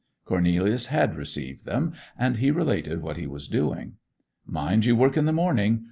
Cornelius had received them, and he related what he was doing. 'Mind you work in the morning.